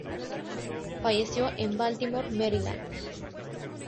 Falleció en Baltimore, Maryland.